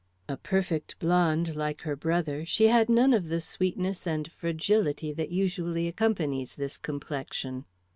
A perfect blonde like her brother, she had none of the sweetness and fragility that usually accompanies this complexion.